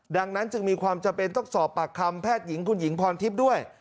ดังนั้นจึงมีความจำเป็นต้องสอบปากคำแพทย์หญิงคุณหญิงพรทิพย์ด้วย